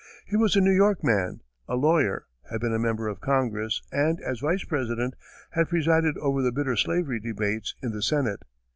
He was a New York man, a lawyer, had been a member of Congress, and, as Vice President, had presided over the bitter slavery debates in the Senate.